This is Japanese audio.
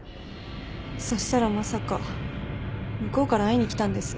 そしたらまさか向こうから会いに来たんです。